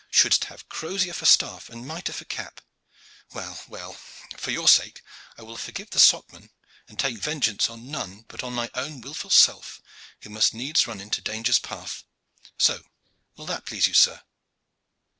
Shouldst have crozier for staff and mitre for cap. Well, well, for your sake I will forgive the Socman and take vengeance on none but on my own wilful self who must needs run into danger's path. So will that please you, sir?"